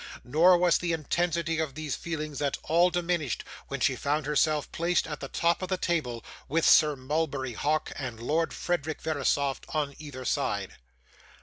Nor was the intensity of these feelings at all diminished, when she found herself placed at the top of the table, with Sir Mulberry Hawk and Lord Frederick Verisopht on either side.